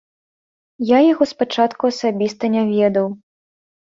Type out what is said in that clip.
Я яго з пачатку асабіста не ведаў.